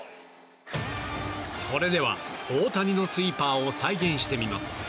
それでは、大谷のスイーパーを再現してみます。